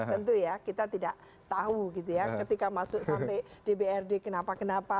tentu ya kita tidak tahu ketika masuk sampai dbrd kenapa kenapa